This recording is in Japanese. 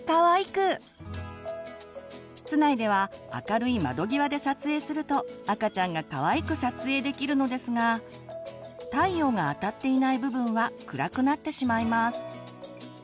室内では明るい窓際で撮影すると赤ちゃんがかわいく撮影できるのですが太陽があたっていない部分は暗くなってしまいます。